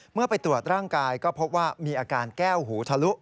เมื่อไปตรวจร่างกายก็พบว่ามีอาการแก้วหูทะลุ